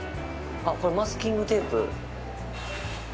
これマスキングテープ？